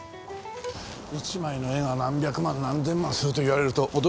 一枚の絵が何百万何千万すると言われると驚きますよ。